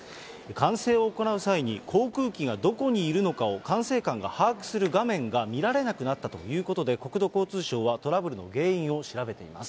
管制を行う際に、航空機がどこにいるのかを管制官が把握する画面が見られなくなったということで、国土交通省はトラブルの原因を調べています。